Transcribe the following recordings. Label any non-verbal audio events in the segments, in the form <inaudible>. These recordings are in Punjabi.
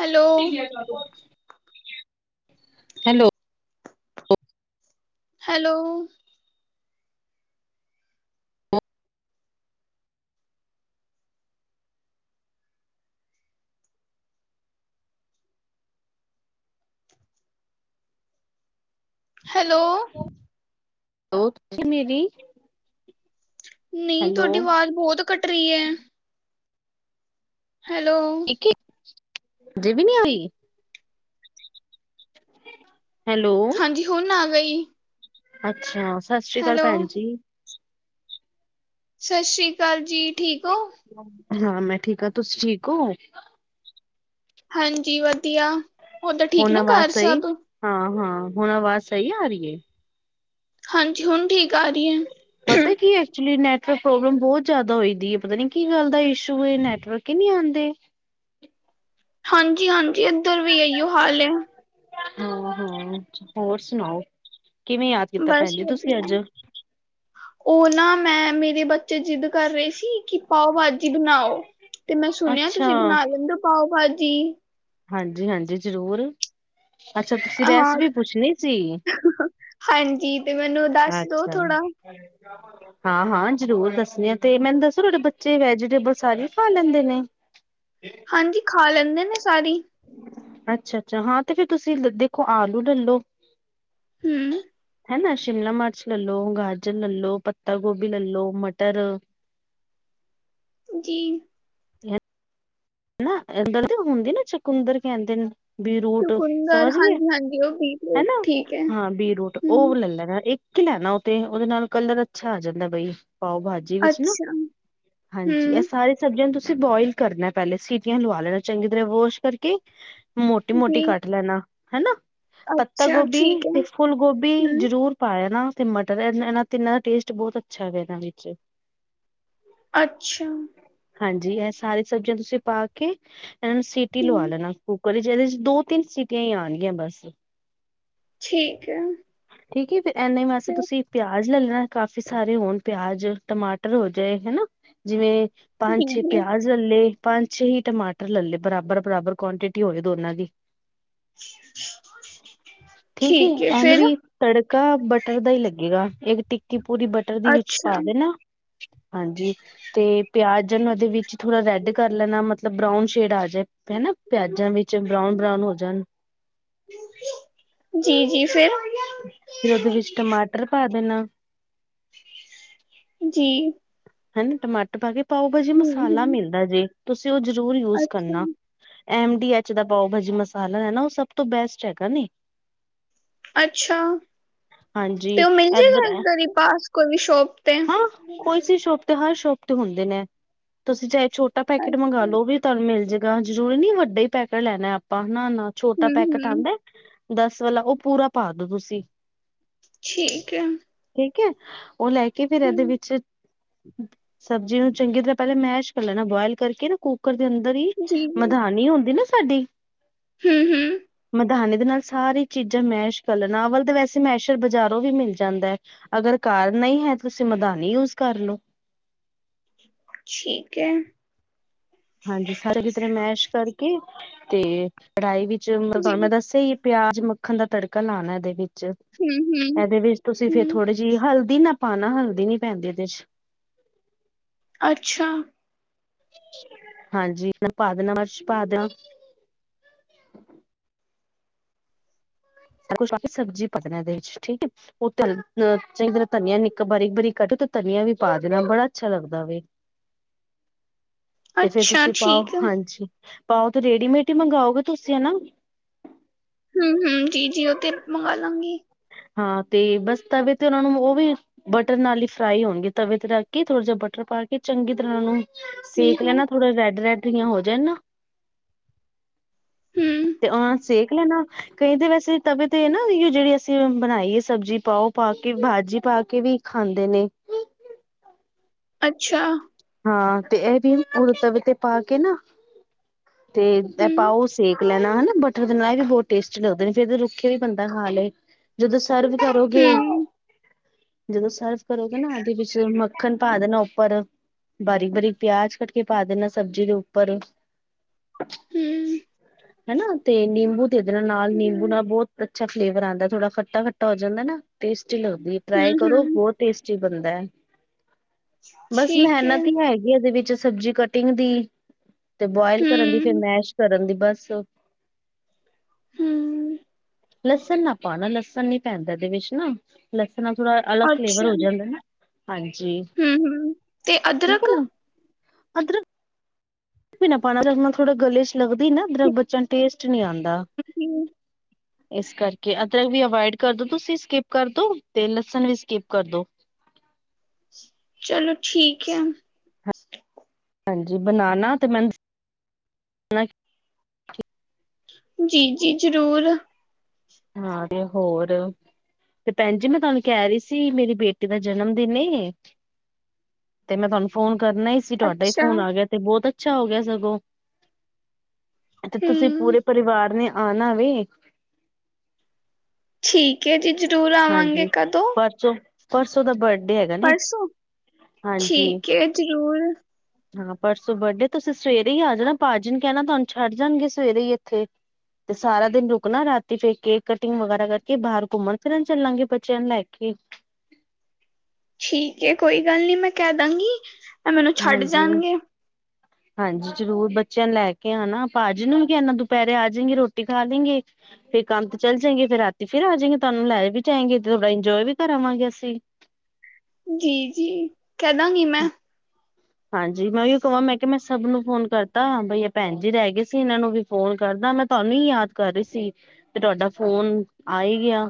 ਹੈਲੋ ਹੈਲੋ ਹੈਲੋ ਹੈਲੋ ਉਹ ਤੁਸੀਂ ਮੇਰੀ ਨਹੀਂ ਹੈਲੋ ਤੁਹਾਡੀ ਆਵਾਜ਼ ਬਹੁਤ ਕੱਟ ਰਹੀ ਹੈ ਹੈਲੋ ਜੇ ਵੀ ਨੀ ਹੋਈ ਹੈਲੋ ਹਾਂਜੀ ਹੁਣ ਆ ਗਈ ਅੱਛਾ ਸਤਿ ਸ੍ਰੀ ਅਕਾਲ ਹੈਲੋ। ਭੈਣ ਜੀ ਸਤਿ ਸ੍ਰੀ ਅਕਾਲ ਜੀ ਠੀਕ ਹੋ ਹਾਂ ਮੈਂ ਠੀਕ ਹਾਂ ਤੁਸੀਂ ਠੀਕ ਹੋ ਹਾਂਜੀ ਵਧੀਆ ਉਹ ਤਾਂ ਠੀਕ ਹੁਣ ਨਾ ਆਵਾਜ਼ ਘਰ ਸਹੀ ਸਭ ਹਾਂ ਹਾਂ ਹੁਣ ਆਵਾਜ਼ ਸਹੀ ਆ ਰਹੀ ਹੈ ਹਾਂਜੀ ਹੁਣ ਠੀਕ ਆ ਰਹੀ ਹੈ ਪਤਾ ਕੀ ਐਕਚੁਲੀ ਨੈਟ ਨਵਰਕ ਪ੍ਰੋਬਲਮ ਬਹੁਤ ਜ਼ਿਆਦਾ ਹੋਈਦੀ ਹੈ ਪਤਾ ਨੀ ਕੀ ਗੱਲ ਦਾ ਇਸ਼ੂ ਨੈਟਵਰਕ ਹੀ ਨਹੀਂੀ ਆਉਂਦੇ ਹਾਂਜੀ ਹਾਂਜੀ ਇੱਧਰ ਵੀ ਆਈਓ ਹਾਲ ਆ ਹਾਂ ਹਾਂ ਹੋਰ ਸੁਣਾਓ ਕਿਵੇਂ ਯਾਦ ਕੀਤਾ ਭੈਣ ਬਸ ਜੀ ਤੁਸੀਂ ਅੱਜ ਵਧੀਆ। ਉਹ ਨਾ ਮੈਂ ਮੇਰੇ ਬੱਚੇ ਜਿੱਦ ਕਰ ਰਹੇ ਸੀ ਕੀ ਪਾਓ ਭਾਜੀ ਬਣਾਓ ਤੇ ਮੈਂ ਸੁਣਿਆ ਅੱਛਾ ਤੁਸੀਂ ਬਣਾ ਲੈਂਦੇ ਹੋ ਪਾਓ ਭਾਜੀ ਹਾਂਜੀ ਹਾਂਜੀ ਜ਼ਰੂਰ ਅੱਛਾ <inaudible> ਤੁਸੀਂ ਹਾਂ ਰੈਸਪੀ ਪੁੱਛਣੀ ਸੀ ਹਾਂਜੀ ਤੇ ਮੈਨੂੰ ਦੱਸ ਦੋ ਥੋੜਾ। <inaudible> ਹਾਂ ਹਾਂ ਜ਼ਰੂਰ ਦੱਸਣੀ ਆ ਤੇ। ਮੈਨੂੰ ਦੱਸੋ ਤੁਹਾਡੇ ਬੱਚੇ ਵੈਜੀਟੇਬਲ ਸਾਰੇ ਖਾ ਲੈਂਦੇ ਨੇ। ਹਾਂਜੀ ਖਾ ਲੈਂਦੇ ਨੇ ਸਾਰੀ। ਅੱਛਾ- ਅੱਛਾ ਹਾਂ ਤੇ ਫੇਰ ਤੁਸੀਂ ਦੇਖੋ ਆਲੂ ਲੋ। ਹੁੂ ਹੈ ਨਾ ਸ਼ਿਮਲਾ, ਮਰਚ ਲੈ ਲਓ, ਗਾਜਰ ਲੈ ਲਓ, ਪੱਤਾ ਗੋਭੀ ਲੈ ਲ ਲੋ, ਮਟਰ ਜੀ। ਨਾ ਈਧਰ ਦੀ ਹੁੰਦੀ ਨਾ ਚਕੁੰਦਰ ਕਹਿੰਦੇ ਨੇ। ਬੀਰੂਟ ਚੁਕੁੰਦਰ ਸਮਝ ਗਏ ਹਾਂਜੀ ਹਾਂਜੀ ਉਹ ਬੀਟਰੂਟ ਹਨਾ ਠੀਕ ਹੈ ਹਾਂ ਬੀਰੁੂਟ ਉਹ ਹੂੰ ਲੈ ਲੈਣਾ। ਲੈਣਾ ਉ ਤੇ ਉਹਦੇ ਨਾਲ ਕਲਰ ਅੱਛਾ ਆ ਜਾਂਦਾ ਬਈ ਪਾਓ ਭਾਜੀ। ਜੀ ਵਿੱਚ ਨਾ ਅੱਛਾ ਹਾਂਜੀ ਇਹ ਹੂੰ ਸਾਰੇ। ਸਬਜ਼ੀਆਂ ਨੂੰ ਤੁਸੀਂ ਬੋਇਲ ਕਰਨਾ ਪਹਿਲੇ। ਸੀਟੀਆਂ ਲਵਾ ਲੈਣਾ ਚੰਗੀ ਤਰ੍ਹਾਂ ਵਾਸ਼ ਕਰਕੇ। ਮੋਟੀ ਮੋਟੀ ਜੀ ਕੱਟ ਲੈਣਾ ਹਨਾ ਪੱਤਾ ਅੱਛਾ ਗੋਭੀ ਠੀਕ ਹੈ ਤੇ ਫੁੱਲ ਗੋਭੀ ਹੂੰ ਜ਼ਰੂਰ ਪਾਇਆ ਨਾ ਤੇ ਮਟਰ ਇਹ ਇਹ ਤੇ ਇਹਨਾਂ ਦਾ ਟੇਸਟ ਬਹੁਤ ਅੱਛਾ ਵ ਇਹਨਾਂ ਵਿੱਚ ਅੱਛਾ ਹਾਂਜੀ ਇਹ ਸਾਰੀ ਸਬਜ਼ੀਆਂ ਤੁਸੀਂ ਪਾ ਕੇ ਇਹਨਾਂ ਨੂੰ ਸੀਟੀ ਲਵਾ ਹੂੰ ਲੈਣਾ ਕੁੂੱਕਰ ਚ ਇਹਦੇ ਚ ਦੋ ਤਿੰਨ ਸੀਿਟੀਆਂ ਹੀ ਆਉਣਗੀਆਂ ਬਸ ਠੀਕ ਹੈ ਠੀਕ ਫ ਇਨਾ ਹੀ ਵਾਸੇ ਫਿਰ ਤੁਸੀਂ ਪਿਆਜ ਲੈ ਲੈਣਾ ਕਾਫੀ ਸਾਰੇ ਹੋਣ ਪਿਆਜ ਟਮਾਟਰ ਹੋ ਜਾਏ ਹਨਾ ਜਿਵੇਂ ਪੰਜ ਜੀ ਛੇ ਜੀ ਪਿਆਜ ਲੱਲੇ। ਪੰਜ ਛੇ ਹੀ ਟਮਾਟਰ ਲੈ ਲਏ। ਬਰਾਬਰ- ਬਰਾਬਰ ਕੁਆਂਟਿਟੀ ਹੋਵੇ ਦੋਨਾਂ ਦੀ। ਠੀਕ ਹੈ ਫਿਰ ਐਨਵੀ ਤੜਕਾ ਬਟਰ ਦਾ ਹੀ ਲੱਗੇਗਾ। ਇੱਕ ਟਿੱਕੀ ਪੂਰੀ ਬਟਰ ਦੀ ਵਿੱਚ ਪਾ ਅੱਛਾ ਦੇਣਾ। ਹਾਂਜੀ ਤੇ ਪਿਆਜ ਨੂੰ ਇਹਦੇ ਵਿੱਚ ਥੋੜਾ ਰੈਡ ਕਰ ਲੈਣਾ ਮਤਲਬ ਬਰਾਊਨ ਸ਼ੇਡ ਆ ਜਾਏ। ਹਨਾ ਪਿਆਜਾਂ ਵਿੱਚ ਬਰਾਊਨ -ਬਰਾਊਨ ਹੋ ਜਾਣ। ਜੀ -ਜੀ ਫਿਰ। ਫਰ ਉਹਦੇ ਵਿੱਚ ਟਮਾਟਰ ਪਾ ਦੇਣਾ। ਜੀ। ਹਨਾ ਟਮਾਟਰ ਪਾ ਪਾਓਬਾਜੀ ਹੂੰ ਮਸਾਲਾ ਹੂੰ ਮਿਲਦਾ ਜੇ ਤੁਸੀਂ ਉਹ ਜ਼ਰੂਰ ਯੂਜ ਅੱਛਾ ਕਰਨਾ। ਐਮ ਡੀ ਐਚ ਦਾ ਪਾਓਭਾਜੀ ਮਸਾਲਾ ਹੈ ਨਾ ਉਹ ਸਭ ਤੋਂ ਬੈਸਟ ਹੈਗਾ ਨੀ। ਅੱਛਾ। ਹਾਂਜੀ ਤੇ ਉਹ ਮਿਲ ਜੇਗਾ ਇਧਰ ਇੱਦਰ ਹੀ ਪਾਸ ਕੋਈ ਸ਼ੋਪ ਤੇ ਹਾਂ ਕੋਈ ਸੀ ਸ਼ੋਪ ਤੇ ਹਰ ਸ਼ੋਪ ਤੇ ਹੁੰਦੇ ਨੇ ਤੁਸੀਂ ਚਾਹੇ ਛੋਟਾ ਪੈਕੇਟ ਅੱਛਾ ਮੰਗਵਾ ਲੋ ਵੀ ਤੁਹਾਨੂੰ ਮਿਲ ਜਾ ਜ਼ਰੂਰੀ ਨੀ ਵੱਡੇ ਹੀ ਪੈਕਟ ਲੈਣਾ ਆਪਾਂ ਨਾ- ਨਾ ਛੋਟਾ ਹੂੰ ਪੈਕੇਟ ਹੂੰ ਆਂਦਾ। ਦਸ ਵਾਲਾ ਉਹ ਪੂਰਾ ਪਾ ਦੋ ਤੁਸੀਂ। ਠੀਕ ਹੈ। ਠੀਕ ਹੈ ਉਹ ਲੈ ਕੇ ਫੇਰ ਇਹਦੇ ਹੂੰ ਵਿੱਚ ਸਬਜ਼ੀ ਨੂੰ ਚੰਗੀ ਤਰ੍ਹਾਂ ਪਹਿਲ ਮੈਸ਼ ਕਰ ਲੈਣਾ। ਬੋਇਲ ਕਰਕੇ ਨਾ ਕੁੱਕਰ ਦੇ ਅੰਦਰ ਹੀ ਜੀ ਮਧਾਨ ਹੁੰਦੀ ਨਾ ਸਾਡੀ। ਹੂ -ਹੂ। ਧਾਨੀ ਦੇ ਨਾਲ ਸਾਰੀ ਚੀਜ਼ਾਂ ਮੈਸ਼ ਕਰ ਲਣ ਅਵਲ ਤਾਂ ਵੈਸੇ ਮੈਸ਼ਰ ਬਾਜ਼ਾਰੋਂ ਵੀ ਮਿਲ ਜਾਂਦਾ ਹੈ। ਅਗਰ ਘਰ ਨਹੀਂ ਹੈ ਤੁਸੀਂ ਮਦਾਨੀ ਯੂਜ ਕਰ ਲਓ। ਠੀਕ ਹੈ। ਹਾਂਜੀ ਸਾਰੇ ਜਿਤਣ ਮੈਸ਼ ਕਰਕੇ ਤੇ ਲੜਾਈ ਵਿੱਚ ਮਤਲ ਤੁਹਾਨੂੰ ਮੈਂ ਦੱਸਿਆ ਇਅ ਪਿਆਜ ਮੱਖਣ ਦਾ ਤੜਕਾ ਲਾਣਾ ਏਦੇ ਵਿੱਚ ਇਹਦੇ ਵਿੱਚ ਤੁਸੀਂ ਫੇਰ ਥੋੜੇ ਜੀ ਹਲਦੀ ਨਾ ਪਾਣਾ ਹਲਦੀ ਨੀ ਪੈਂਦੀ ਏਦੇ ਚ। ਅੱਛਾ। ਹਾਂਜੀ ਪਾ ਦੇਣਾ <unintelligible> ਮਿਰਚ ਪਾ ਦੇਣਾ। ਸਭ ਕੁਛ ਪਾਕੇ ਸਬਜ਼ੀ ਪਕਣਾ ਇਹਦੇ ਵਿੱਚ ਠੀਕ ਐ। ਓ ਚਗੀ ਤਰ੍ਹਾਂ ਧਨੀਆ ਨਿਕਾ ਬਾਰੀਕ-ਬਾਰੀਕ ਕੱਢ ਦੀਤ ਧਨੀਆ ਵੀ ਪਾ ਦੇਣਾ ਬੜਾ ਅੱਛਾ ਲੱਗਦਾ ਵੈ। <inaudible> <unintelligible> ਤੇ ਫੇਰ ਤੁਸੀਂ ਪਾਓ ਹਾਂਜੀ ਪਾਓ ਤੇ ਰੇਡੀਮੇਟ ਹੀ ਮੰਗਓਗੇ ਤੁਸੀਂ ਹਨਾ। ਹੂੰ- ਹੂੰ ਜੀ -ਜੀ ਉਹ ਤੇ ਮੰਗਾ ਲਾਂਗੀ। ਹਾਂ ਤੇ ਬਸ ਤਵੇ ਤੇ ਉਹਨਾਂ ਨੂੰ ਉਹ ਵੀ ਬਟਰ ਨਾਲ ਹੀ ਫਰਾਈ ਹੋਣਗੇ ਤਵੇ ਤੇ ਰੱਖ ਕੇ ਥੋੜ੍ਹਾ ਜਿਹਾ ਬਟਰ ਪਾ ਕੇ ਚੰਗੀ ਤਰ੍ਹਾਂ ਉਹ ਨੂੰ ਸੇਕ ਲੈ ਨਾ ਥੋੜਾ ਰੈਡ- ਰੈਡ ਠੀਆਂ ਹੋ ਜਾਣ ਨਾ ਤੇ ਉਹ ਸੇਕ ਲੈਣਾ। ਕਈ ਤਾਂ ਵੈਸੇ ਤਵੇ ਤੇ ਨਾ ਜਿਹੜੀ ਅਸੀਂ ਬਣਾਈ ਹੈ ਸਬਜ਼ੀ ਪਾਓ ਪਾ ਕੇ ਭਾਜੀ ਪਾ ਕੇ ਵੀ ਖਾਂਦੇ ਨੇ। ਅੱਛਾ ਹਾਂ ਤੇ ਇਹ ਵੀ ਉਦ ਤਵੇ ਤੇ ਪਾ ਕੇ ਨਾ ਤੇ ਇਹ ਪਾਓ ਸੇਕ ਲੈਣਾ ਹਨਾ ਬਟਰ ਦੇ ਨਾਲ ਵੀ ਬਹੁਤ ਟੇਸਟੀ ਲੱਗਦੇ ਨੇ ਫਰ ਰੁੱਖੇ ਵੀ ਬੰਦਾ ਖਾ ਲਏ। ਜਦੋਂ ਸਰਵ ਕਰੋਗੇ ਜਦੋਂ ਸਰਵ ਕਰੋਗੇ ਨਾ ਇਹਦੇ ਵਿੱਚ ਮੱਖਣ ਪਾ ਦੇਣਾ ਉੱਪਰ। ਬਾਰੀਕ-ਬਾਰੀਕ ਪਿਆਜ ਕੱਟ ਕੇ ਪਾ ਦੇਣਾ ਸਬਜ਼ੀ ਦੇ ਉੱਪਰ। ਹਨਾ ਤੇ ਨਿੰਬੂ ਤੇ ਇਹਦੇ ਨਾਲ- ਨਾਲ ਨਿੰਬੂ ਨਾਲ ਬਹੁਤ ਅੱਛਾ ਫਲੇਵਰ ਆਉਂਦਾ ਥੋੜਾ ਖੱਟਾ- ਖੱਟਾ ਹੋ ਜਾਂਦਾ ਨਾ ਟੇਸਟੀ ਲੱਗਦੀ ਟ੍ਰਈ ਕਰੋ ਬਹੁਤ ਟੇਸਟੀ ਬਣਦਾ ਹੈ। <inaudible> ਮਿਹਨਤ ਹੀ ਹੈਗੀ ਇਹਦੇ ਵਿੱਚ ਸਬਜ਼ੀ ਕਟਿੰਗ ਦੀ ਤੇ ਬੁਆਇਲ ਕਰਨ ਦੀ ਫਿਰ ਮੈਸ਼ ਕਰਨ ਦੀ ਬਸ ਹੂੰ ਲਸਣ ਨਾ ਪਾਉਣਾ ਲਸਣ ਨੀ ਪੈਂਦਾ ਇਹਦੇ ਵਿੱਚ ਨਾ। ਲਸਣ ਨਾਲ ਥੋੜਾ ਅਲੱਗ ਫਲੇਵਰ ਹੋ ਜਾਂਦਾ ਨਾ ਹਾਂਜੀ। ਹੂੰ -ਹੂੰ ਠੀਕ ਹੈ ਨਾ ਅਦਰਕ ਪਾਉਣਾ ਜ ਨਾਲ ਥੋੜਾ ਗਲੇ 'ਚ ਲੱਗਦੀ ਨਾ ਬੱਚਾ ਨੂੰ ਟੇਸਟ ਨੀ ਆਂਦਾ। <unintelligible> ਇਸ ਕਰਕੇ ਅਦਰਕ ਵੀ ਅਵਇਡ ਕਰਦੋ ਤੁਸੀਂ ਸਕਿਪ ਕਰਦੋ ਤੇ ਲਸਣ ਵੀ ਸਕਿਪ ਕਰਦੋ। ਚਲੋ ਠੀਕ ਹੈ। ਹਾਂਜੀ ਬਣਾਣਾ ਤੇ ਮੈਨੂੰ ਦੱਸਣਾ, ਜੀ -ਜੀ ਜ਼ਰੂਰ ਹਾਂ ਤੇ ਹੋਰ ਤੇ ਭੈਣ ਜੀ ਮੈਂ ਤੁਹਾਨੂੰ ਕਹਿ ਰਹੀ ਸੀ ਮੇਰੀ ਬੇਟੀ ਦਾ ਜਨਮ ਦਿਨ ਏ। ਤੇ ਮੈਂ ਤੁਹਾਨੂੰ ਫੋਨ ਕਰਨਾ ਹੀ ਸੀ ਤੁਹਾਡਾ ਹੀ ਅੱਛਾ ਫੋਨ ਆ ਗਿਆ ਤੇ ਬਹੁਤ ਅੱਛਾ ਹੋ ਗਿਆ ਸਗੋਂ ਤੇ ਤੁਸੀਂ ਹੂੰ ਪੂਰੇ ਪਰਿਵਾਰ ਨੇ ਆਣਾ ਵੇ। ਠੀਕ ਹੈ ਜੀ ਜ਼ਰੂਰ ਹਾਂਜੀ ਆਵਾਂਗੇ ਕਦੋਂ ਪਰਸੋਂ ਪਰਸੋਂ ਦਾ ਬਰਡੇ ਹੈਗਾ ਨ ਪਰਸੋਂ ਹਾਂਜੀ। ਠੀਕ ਹੈ ਜ਼ਰੂਰ ਹਾਂ ਪਰਸੋਂ ਬਰਡੇ ਤੁਸੀਂ ਸਵੇਰੇ ਹੀ ਆ ਜਾਣਾ ਭਾਜੀ ਨੂੰ ਕਹਿਣਾ ਤੁਹਾਨੂੰ ਛੱਡ ਜਾਣਗੇ ਸਵੇਰੇ ਹੀ ਇੱਥੇ ਤੇ ਸਾਰਾ ਦਿਨ ਰੁਕਣਾ ਰਾਤੀ ਫੇ ਕੇ ਕਟਿੰਗ ਵਗੈਰਾ ਕਰਕੇ ਬਾਹਰ ਘੁੰਮਣ ਫਿਰ ਚੱਲਾਂਗੇ ਬੱਚਿਆਂ ਨੂੰ ਲੈ ਕੇ ਠੀਕ ਹੈ ਕੋਈ ਗੱਲ ਨੀ ਮੈਂ ਕਹਿ ਦਾਂਗੀ। ਇਹ ਮੈਨੂੰ ਛੱਡ ਹਾਂਜੀ ਜਾਣਗੇ ਹਾਂਜੀ ਜ਼ਰੂਰ ਬੱਚਿਆਂ ਨੂੰ ਲੈ ਕੇ ਆਣਾ ਭਾਜੀ ਨੂੰ ਵੀ ਕਹਿਣਾ ਆ ਜਾਏਗੇ ਇਨਾ ਦੁਪਹਿਰੇ ਆ ਜਾਏਗੀ ਰੋਟੀ ਖਾ ਲੈਂਗੇ। ਫੇਰ ਕੰਮ ਤੇ ਚੱਲ ਜਾਏਗੇ ਫੇਿਰ ਰਾਤੀ ਫੇਿਰ ਆ ਜਾਏਗੇ ਤੁਹਾਨੂੰ ਲੈ ਵੀ ਜਾਏਗੇ ਤੇ ਥੋੜਾ ਇੰਜੋਏ ਵੀ ਕਰਾਵਾਂਗੇ ਅਸੀਂ ਜੀ- ਜੀ ਕਹਿ ਦਾਂਗੀ ਮੈਂ ਹਾਂਜੀ ਮੈਂ ਉ ਕਹਾਂ ਮੈਂ ਕਿਹਾ ਮੈਂ ਸਭ ਨੂੰ ਫੋਨ ਕਰਤਾ ਬਈ ਇਹ ਭੈਣ ਜੀ ਰਹਿ ਗਏ ਸੀ ਇਹਨਾਂ ਨੂੰ ਵੀ ਫੋਨ ਕਰਦਾ ਮੈਂ ਤੁਹਾਨੂੰ ਹੀ ਯਾਦ ਕਰ ਰਹੀ ਸੀ। ਤੇ ਤੁਹਾਡਾ ਫੋਨ ਆ ਹੀ ਗਿਆ।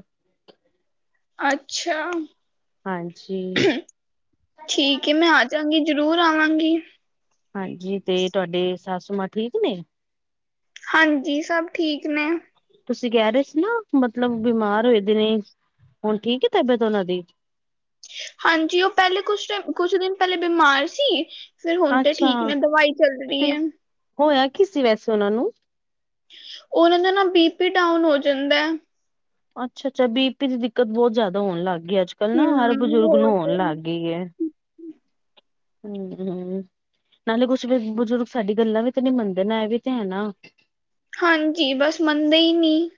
ਅੱਛਾ ਹਾਂਜੀ ਠੀਕ ਮੈਂ ਆਜਾਂਗੀ ਜਰੂਰ ਆਵਾਂਗੀ। ਹਾਂਜੀ ਤੇ ਤੁਹਾਡੇ ਸਾਸੁ ਮਾਂ ਠੀਕ ਨੇ ਹਾਂਜੀ ਸਭ ਠੀਕ ਨੇ ਤੁਸੀਂ ਕਹਿ ਰਹੇ ਸੀ ਨਾ ਮਤਲਬ ਬਿਮਾਰ ਹੋਏ ਦਿ ਨੇ ਹੁਣ ਠੀਕ ਤਬੀਅਤ ਉਹਨਾਂ ਦੀ ਹਾਂਜੀ ਉਹ ਪਹਿਲੇ ਕੁਛ ਟਮ ਕੁਛ ਦਿਨ ਪਹਿਲੇ ਬਿਮਾਰ ਸੀ ਫਿਰ ਹੁਣ ਤੇ ਅੱਛਾ ਠੀਕ ਨੇ ਦਵਾਈ ਚੱਲ ਰਹੀ ਤੇ ਹੈ ਹੋਇਆ ਕੀ ਸੀ ਵੈਸੇ ਉਹਨਾਂ ਨੂੰ ਉਹਨਾਂ ਦਾ ਨਾ ਬੀ ਪੀ ਡਾਊਨ ਹੋ ਜਾਂਦਾ ਅੱਛਾ ਅੱਛਾ ਬੀ ਪੀ ਦੀ ਦਿੱਕਤ ਬਹੁਤ ਜ਼ਿਆਦਾ ਹੋਣ ਲੱਗ ਗਈ ਅੱਜ ਲ ਨਾ ਹਰ ਹਮ ਬਜ਼ੁਰਗ ਨੂੰ ਹੋਣ ਲੱਗ ਗਈ ਹੈ ਹਮ <unintelligible> ਨਾਲੇ ਕੁਛ ਬਜ਼ੁਰਗ ਸਾਡੀ ਗੱਲਾਂ ਵੀ ਤਾਂ ਨੀ ਮੰਨਦੇ ਨਾ ਇਹ ਵੀ ਤੇ ਹੈ ਨਾ ਹਾਂਜੀ ਬਸ ਮੰਨਦੇ ਹੀ ਨਹੀਂੀ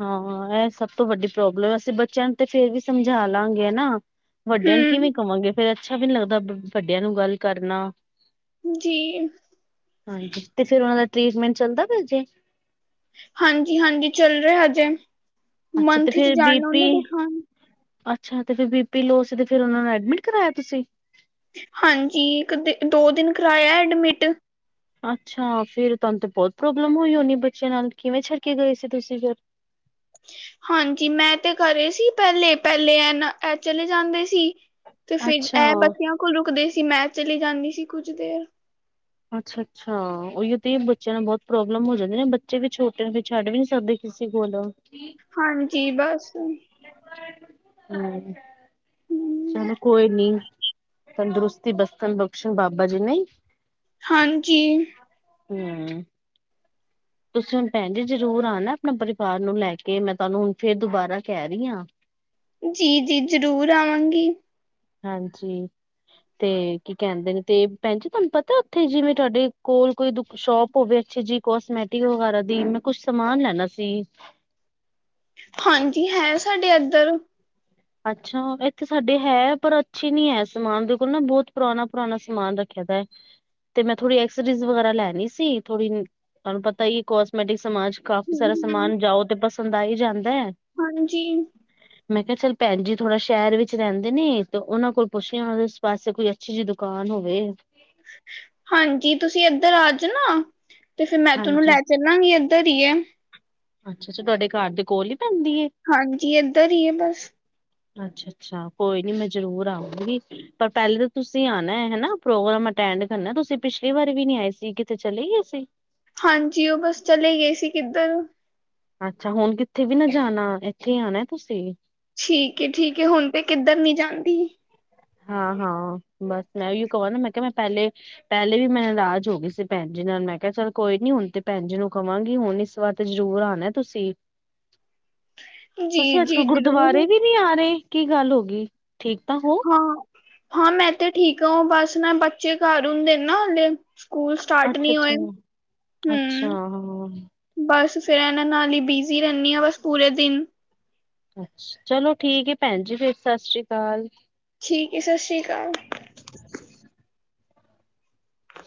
ਹਾਂ ਇਹ ਸਭ ਤੋਂ ਵੱਡੀ ਪ੍ਰੋਬਲਮ ਅਸੀਂ ਬੱਚਿਆਂ ਨੂੰ ਤੇ ਫੇਰ ਵੀ ਸਮਝਾ ਲਾਂਗੇ ਨਾ ਵੱਡਿਆਂ ਨੂੰ ਕਿਵੇਂ ਹਮ ਕਵਾਂਗੇ ਫੇਰ ਅੱਛਾ ਵੀ ਨਹੀਂੀ ਲੱਗਦਾ ਵੱਡਿਆਂ ਨੂੰ ਗੱਲ ਕਰਨਾ ਜੀ ਹਾਂਜੀ ਤੇ ਫੇਿਰ ਉਹਨਾ ਦਾ ਟਰੀਟਮੈਂਟ ਚੱਲਦਾ ਪਿਆ ਜੇ ਹਾਂਜੀ ਹਾਂਜੀ ਚੱਲ ਰਿਹਾ ਹਜੇ ਅੱਛਾ ਤੇ ਮੰਥ ਚ ਫੇਰ ਬੀ ਜਾਣਾ ਪੀ ਉਹਨੂੰ ਦਿਖਾਉਣ ਅੱਛਾ ਤੇ ਫਿਰ ਬੀ ਪੀ ਲੋ ਸੀ ਤੇ ਫਿਰ ਉਹਨਾਂ ਨੇ ਐਡਮਿਟ ਕਰਵਾਆ ਤੁਸੀਂ ਹਾਂਜੀ ਇੱਕ ਦਿ ਦੋ ਦਿਨ ਕਰਾਇਆ ਐਡਮਿਟ ਅੱਛਾ ਫੇਿਰ ਤੁਹਾਨੂੰ ਤੇ ਬਹੁਤ ਪ੍ਰੋਬਲਮ ਹੋਈ ਹੋਣੀ ਬੱਚਿਆਂ ਨਾਲ ਕਿਵੇਂ ਛੱਡ ਕੇ ਗਏ ਸੀ ਤੁਸੀਂ ਫਿਰ ਹਾਂਜੀ ਮੈਂ ਤੇ ਕਰੇ ਸੀ ਪਹਿਲੇ ਪਹਿਲੇ ਇਹਨਾਂ ਇਹ ਚਲੇ ਜਾਂਦੇ ਸੀ ਤੇ ਫਿਰ ਅੱਛਾ ਇਹ ਬੱਚਿਆਂ ਕੋਲ ਰੁਕਦੇ ਸੀ ਮੈਂ ਚਲੀ ਜਾਂਦੀ ਸੀ ਕੁੱਝ ਦੇਰ ਅੱਛਾ ਅੱਛਾ ਉਹੀ ਤੇ ਬੱਚਿਆਂ ਨਾਲ ਬਹੁਤ ਪ੍ਰੋਬਲਮ ਹੋ ਜਾਂਦੀ ਨੇ ਬੱਚੇ ਵੀ ਛੋਟੇ ਛੱਡ ਵੀ ਨੀ ਸਕਦੇ ਕਿਸੇ ਕੋਲ ਕੀ ਹਾਂਜੀ ਬਸ ਹ ਹਮ ਚਲੋ ਕੋਈ ਨੀ ਤੰਦਰੁਸਤੀ ਬਸਤਨ ਬਖਸ਼ਣ ਬਾਬਾ ਜੀ ਨਹੀਂ ਹਾਂਜੀ ਹਮ ਤੁਸੀਂ ਹੁਣ ਭੈਣ ਜੀ ਜਰੂਰ ਆ ਨਾ ਆਪਣਾ ਪਰਿਵਾਰ ਨੂੰ ਲੈ ਕੇ ਮੈਂ ਤੁਹਾਨੂੰ ਹੁਣ ਫੇਰ ਦੁਬਾਰਾ ਕਹਿ ਰਹੀ ਹਾਂ ਜੀ ਜੀ ਜ਼ਰੂਰ ਆਵਾਂਗੀ ਹਾਂਜੀ ਤੇ ਕੀ ਕਹਿੰਦੇ ਨੇ ਤੇ ਭੈਣ ਜੀ ਤੁਹਾਨੂੰ ਪਤਾ ਉੱਥੇ ਜਿਵੇਂ ਤੁਹਾਡੇ ਕੋਲ ਕੋਈ ਦੁ ਸ਼ੋਪ ਭੋਵੇ ਅੱਛੇ ਜੀ ਕੋਸਮੈਟਿਕ ਵਗੈਰਾ ਦੀ ਮੈਂ ਕੁਛ ਸਮਾਨ ਲੈਣਾ ਸੀ ਹਾਂਜੀ ਹੈ ਸਾਡੇ ਇੱਧਰ ਅੱਛਾ ਇੱਥੇ ਸਾਡੇ ਹੈ ਪਰ ਅੱਛੀ ਨੀ ਹੈ ਸਮਾਨ ਬਿਲਕੁਲ ਨਾ ਬਹੁਤ ਪੁਰਾਣਾ ਪੁਰਾਣਾ ਸਮਾਨ ਰਖ ਤੇ ਮੈਂ ਥੋੜੀ ਐਕਸ ਜਸ ਵਗੈਰਾ ਲੈਣੀ ਸੀ ਥੋੜੀ ਤੁਹਾਨੂੰ ਪਤਾ ਹੀ ਕੋਸਮੈਟਿਕ ਸਮਾਨ ਚ ਕਾਫੀ ਸਾਰਾ ਹਮ ਸਮਾਨ ਜਾਓ ਤੇ ਪਸੰਦ ਆ ਹੀ ਜਾਂਦਾ ਹੈ ਹਾਂਜੀ ਮੈਂ ਕਿਹਾ ਚੱਲ ਭੈਣ ਜੀ ਥੋੜਾ ਸ਼ਹਿਰ ਵਿੱਚ ਰਹਿੰਦੇ ਨੇ ਤੇ ਉਹਨਾਂ ਕੋਲ ਪੁੱਛ ਲ ਉਸ ਪਾਸੇ ਕੋਈ ਅੱਛੀ ਜਿਹੀ ਦੁਕਾਨ ਹੋਵੇ ਹਾਂਜੀ ਤੁਸੀਂ ਇੱਧਰ ਆ ਜਾਣਾ ਤੇ ਫਿਰ ਮੈਂ ਤੁਹਾਨੂੰ ਹਾਂਜੀ। ਲੈ ਚੱਲਾਂਗੇ ਇੱਧਰ ਹੀਏ ਅੱਛਾ ਅੱਛਾ ਤੁਹਾਡੇ ਘਰ ਦੇ ਕੋਲ ਹੀ ਪੈਂਦੀ ਏ ਹਾਂਜੀ, ਇੱਧਰ ਹੀ ਏ ਬਸ। ਅੱਛਾ ਅੱਛਾ, ਕੋਈ ਨੀ, ਮੈਂ ਜਰੂਰ ਆਊਗੀ। ਪਰ ਪਹਿਲੇ ਤੇ ਤੁਸੀਂ ਆਨ ਹੈ ਨਾ, ਪ੍ਰੋਗਰਾਮ ਅਟੈਂਡ ਕਰਨਾ। ਤੁਸੀਂ ਪਿਛਲੀ ਵਾਰੀ ਵੀ ਨੀ ਆਏ ਸੀ, ਕਿੱਥੇ ਚਲੇ ਗਏ ਸੀ? ਹਾਂਜੀ, ਉਹ ਬਸ ਚਲੇ ਗਏ ਸੀ ਕਿੱਧਰ। ਅੱਛਾ, ਹੁਣ ਕਿੱਥੇ ਵੀ ਨਾ ਜਾਣਾ। ਇੱਥੇ ਹੀ ਆਣੇ ਤੁਸੀਂ। ਠੀਕ ਏ -ਠੀਕ ਏ, ਹੁਣ ਤੇ ਕਿੱਧਰ ਨੀ ਜਾਂਦੀ। ਹਾਂ- ਹਾਂ, ਬਸ ਮੈਂ ਵੀ ਇਕ ਵਾਰ ਨਾ, ਮੈਂ ਕਿਹਾ ਮੈਂ ਪਹਿਲੇ ਪਹਿਲੇ ਵੀ ਮੈਂ ਨਰਾਜ ਹੋ ਗਈ ਸੀ ਭੈਣ ਜੀ ਨਾਲ, ਮੈਂ ਕਿਹਾ ਚੱਲ ਕੋਈ ਨੀ, ਹੁਣ ਤੇ ਭੈਣ ਜੀ ਨੂੰ ਕਵਾਂਗੀ, ਹੁਣ ਇਸ ਵਿਆਹ ਤੇ ਜ਼ਰੂਰ ਆਉਣਾ ਤੁਸੀਂ। <inaudible> ਜੀ ਤੁਸੀਂ ਅੱਜ ਜੀ ਕੱਲ ਗੁਰਦੁਆਰੇ ਜ਼ਰੂਰ ਵੀ ਨਹੀਂ ਆ ਰਹੇ, ਕੀ ਗੱਲ ਹੋ ਗਈ, ਠੀਕ ਤਾਂ ਹੋ? ਹਾਂ, ਹਾਂ ਮੈਂ ਤੇ ਠੀਕ ਆਂ, ਓ ਬਸ ਨਾ ਬੱਚੇ ਘਰ ਹੁੰਦੇ ਨੇ ਨਾ ਹਲ਼ੇ ਸਕੂਲ ਸਟਾਰਟ ਅੱਛਾ ਨਹੀਂ ਅੱਛਾ ਹੋਏ, ਅੱਛਾ ਹੰ। ਹਾਂ ਬਸ ਫੇਰ ਇਹਨਾਂ ਨਾਲ ਹੀ ਬਿਜ਼ੀ ਰੈਨੀ ਆਂ ਬਸ ਪੂਰੇ ਦਿਨ। ਅੱ ਚਲੋ ਠੀਕ ਹੈ ਭੈਣ ਜੀ ਫਿਰ ਸਤਿ ਸ੍ਰੀ ਅਕਾਲ ਠੀਕ ਏ ਸਤਿ ਸ਼੍ਰੀ ਅਕਾਲ